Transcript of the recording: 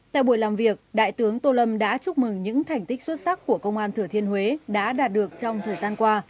tại buổi làm việc đại tướng tô lâm đã chúc mừng những thành tích xuất sắc của công an thừa thiên huế đã đạt được trong thời gian qua